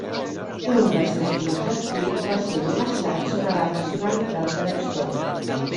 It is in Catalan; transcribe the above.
Un dels seus primers escrits va ser un assaig sobre la racionalitat de la història.